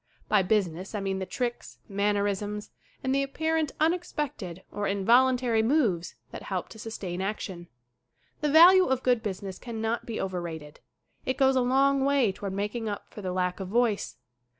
By business I mean the tricks, mannerisms, and the apparent unex SCREEN ACTING 53 pected or involuntary moves that help to sus tain action. The value of good business cannot be over rated. It goes a long way toward making up for the lack of voice.